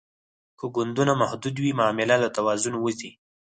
که ګوندونه محدود وي معامله له توازن وځي